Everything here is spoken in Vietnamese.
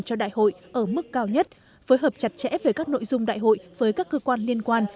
cho đại hội ở mức cao nhất phối hợp chặt chẽ về các nội dung đại hội với các cơ quan liên quan